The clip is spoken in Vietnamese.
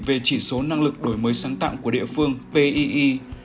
về chỉ số năng lực đổi mới sáng tạo của địa phương pii